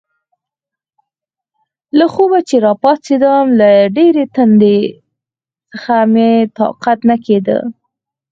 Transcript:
له خوبه چې راپاڅېدم، له ډېرې تندې څخه مې طاقت نه کېده.